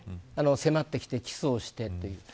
迫ってきてキスをしてという。